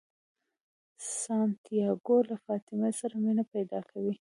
سانتیاګو له فاطمې سره مینه پیدا کوي.